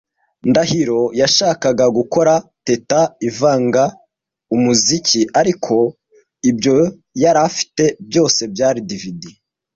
Ndahiro yashakaga gukora Teta ivanga umuziki, ariko ibyo yari afite byose byari DVD.